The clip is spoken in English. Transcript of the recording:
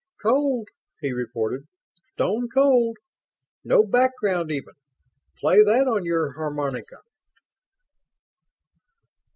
"Cold," he reported. "Stone cold. No background even. Play that on your harmonica!"